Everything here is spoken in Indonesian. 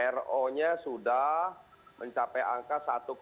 ro nya sudah mencapai angka satu